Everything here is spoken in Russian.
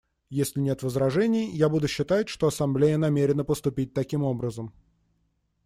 Если нет возражений, я буду считать, что Ассамблея намерена поступить таким образом.